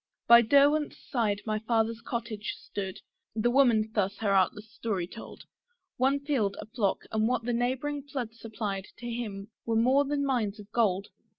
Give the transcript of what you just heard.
By Derwent's side my Father's cottage stood, (The Woman thus her artless story told) One field, a flock, and what the neighbouring flood Supplied, to him were more than mines of gold.